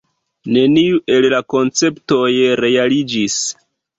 Neniu el la konceptoj realiĝis.